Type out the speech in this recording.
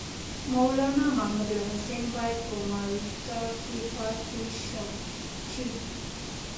مولنا محمودالحسن باید په مالټا کې پاته شي.